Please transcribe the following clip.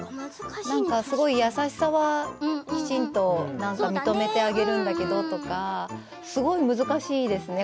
なんかすごい優しさはきちんと認めてあげるんだけどすごい難しいですね。